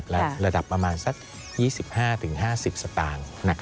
และระดับประมาณสัก๒๕๕๐สตางค์